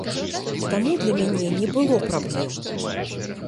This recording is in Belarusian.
Таму для мяне не было праблем.